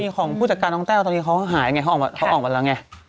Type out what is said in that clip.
ของผู้จัดการน้องแต้วตอนนี้เขาหายไงเขาออกมาแล้วไง